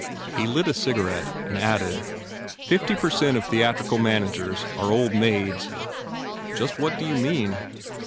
He lit a cigarette and added. "Fifty per cent of theatrical managers are old maids." "Just what do you mean?"